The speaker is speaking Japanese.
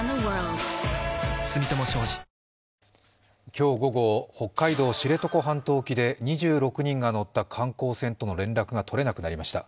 今日午後、北海道・知床半島沖で２６人が乗った観光船との連絡がとれなくなりました。